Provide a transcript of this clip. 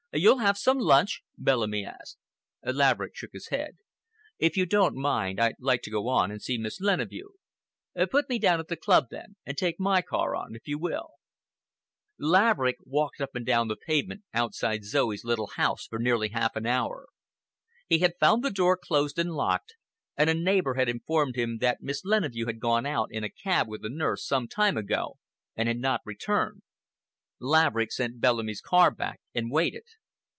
"You'll have some lunch?" Bellamy asked. Laverick shook his head. "If you don't mind, I'd like to go on and see Miss Leneveu." "Put me down at the club, then, and take my car on, if you will." Laverick walked up and down the pavement outside Zoe's little house for nearly half an hour. He had found the door closed and locked, and a neighbor had informed him that Miss Leneveu had gone out in a cab with the nurse, some time ago, and had not returned. Laverick sent Bellamy's car back and waited.